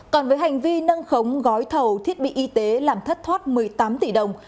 còn với hành vi nâng khống gói thầu thiết bị y tế làm thất thoát một mươi tám tỷ đồng